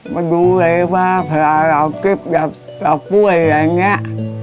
มาดูเลยว่าพลาเหล่าจิ๊บหยัดเหล่าป้วยอะไรเนี้ย